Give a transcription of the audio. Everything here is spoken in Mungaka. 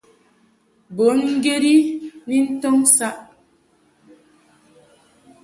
Bùn ŋgyet i ni ntɔŋ saʼ.